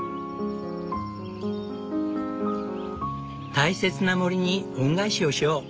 大切な森に恩返しをしよう。